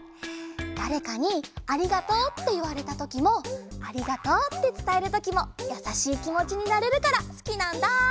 だれかに「ありがとう」っていわれたときも「ありがとう」ってつたえるときもやさしいきもちになれるからすきなんだ！